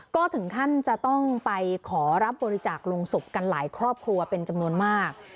ก็ถึงขั้นจะต้องไปขอรับบริจาคลงศพกันหลายครอบครัวเป็นจำนวนมาก